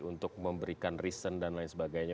untuk memberikan reason dan lain sebagainya